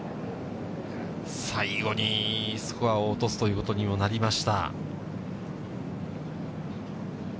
最後にスコアを落とすということにもなりました。